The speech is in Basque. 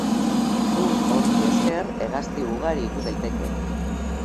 Ur horri esker hegazti ugari ikus daiteke.